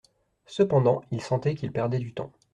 Cependant il sentait qu'il perdait du temps.